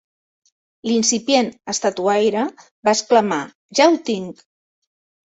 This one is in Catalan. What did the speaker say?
L'incipient estatuaire va exclamar: ¡Ja ho tinc!.